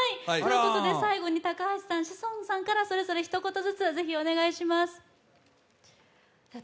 最後に高橋さん、志尊さんからひと言ずつお願いします。